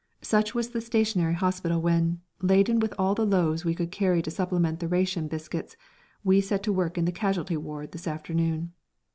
Such was the stationary hospital when, laden with all the loaves we could carry to supplement the ration biscuits, we set to work in the "casualty ward" this afternoon.